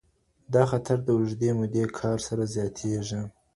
دا خطر د اوږدې مودې کار سره زیاتېږي.